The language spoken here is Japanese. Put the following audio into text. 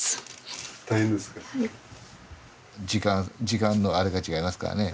時間のあれが違いますからね。